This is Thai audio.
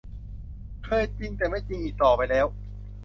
เคยจริงแต่ไม่จริงอีกต่อไปแล้ว